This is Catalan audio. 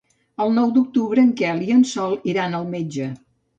El nou d'octubre en Quel i en Sol iran al metge.